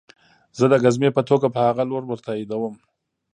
زه د ګزمې په توګه په هغه لور ورتاوېدم